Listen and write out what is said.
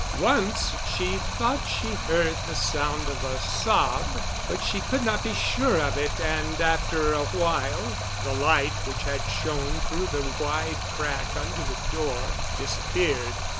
Once she thought she heard the sound of a sob, but she could not be sure of it, and after a while the light which had shone through the wide crack under the door disappeared.